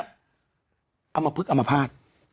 เอามาพึกเอามาพาด